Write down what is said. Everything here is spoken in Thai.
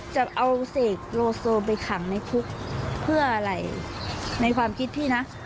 จะเอาเสกโลโซไปขังในคุกเพื่ออะไรในความคิดพี่นะ